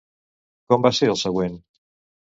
Com va ser el següent?